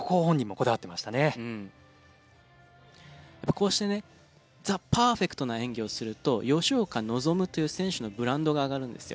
こうしてねザパーフェクトな演技をすると吉岡希という選手のブランドが上がるんですよ。